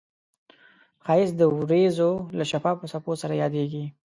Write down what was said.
ښایست د وریځو له شفافو څپو سره یادیږي